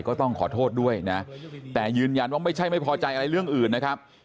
ก็ต้องขอโทษด้วยนะแต่ยืนยันว่าไม่ใช่ไม่พอใจอะไรเรื่องอื่นนะครับ